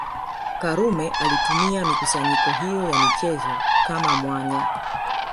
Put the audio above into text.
Karume alitumia mikusanyiko hiyo ya michezo kama mwanya